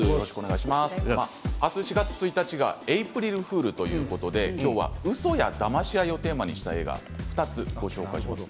明日、４月１日がエープリルフールということで今日は、うそやだまし合いをテーマにした映画を２つ紹介します。